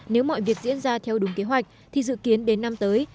nếu mọi việc diễn ra theo đúng kế hoạch thì dự kiến đến năm tới